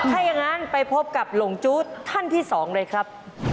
ถ้าอย่างนั้นไปพบกับหลงจู้ท่านที่๒เลยครับ